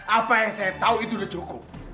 apa yang saya tau itu udah cukup